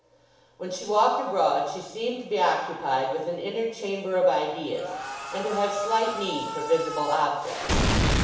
When she walked abroad she seemed to be occupied with an inner chamber of ideas, and to have slight need for visible objects.